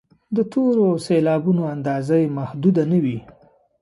د تورو او سېلابونو اندازه یې محدوده نه وي.